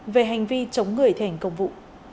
về hành vi chống người thi hành công vụ